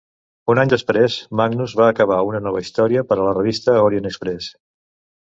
Un any després, Magnus va acabar una nova història per a la revista Orient Express.